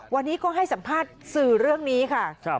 วันนี้ก็ให้สัมภาษณ์สื่อเรื่องนี้ค่ะ